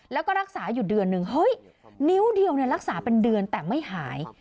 แล้วก็รักษาอยู่เดือนหนึ่งเฮ้ยนิ้วเดียวรักษาเป็นเดือนแต่ไม่หาย